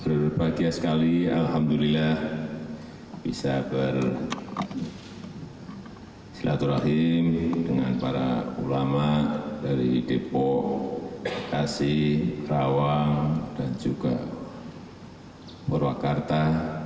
berbahagia sekali alhamdulillah bisa bersilaturahim dengan para ulama dari depok bekasi rawang dan juga purwakarta